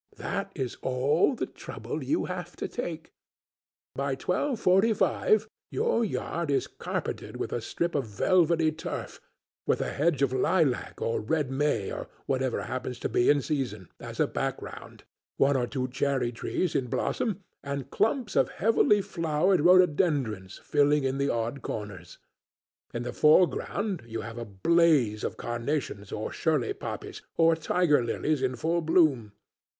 That is all the trouble you have to take. By twelve forty five your yard is carpeted with a strip of velvety turf, with a hedge of lilac or red may, or whatever happens to be in season, as a background, one or two cherry trees in blossom, and clumps of heavily flowered rhododendrons filling in the odd corners; in the foreground you have a blaze of carnations or Shirley poppies, or tiger lilies in full bloom.